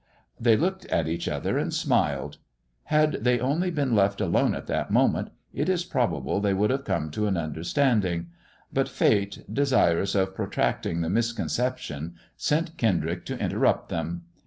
" They looked at each other and smiled. Had they only been left alone at that moment, it is probable they would have come to an understanding ; but Fate, desirous of pro tracting the misconception, sent Kendrick to interrupt them.